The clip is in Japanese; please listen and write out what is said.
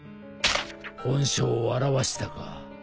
本性を現したか。